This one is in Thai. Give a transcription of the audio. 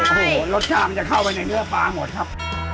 โอ้โหรสชาติมันจะเข้าไปในเนื้อปลาหมดครับ